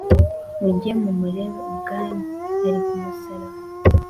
mujye mumurebe ubwanyu, ari ku musaraba.